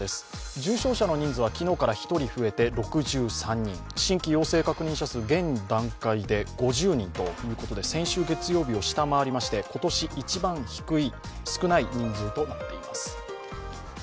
重症者の人数は昨日から１人増えて６３人、新規陽性確認者数現段階で５０人ということで先週月曜日を下回りまして今年一番少ない人数となっています。